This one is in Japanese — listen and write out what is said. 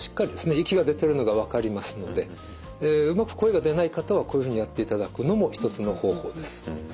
息が出てるのが分かりますのでうまく声が出ない方はこういうふうにやっていただくのも一つの方法です。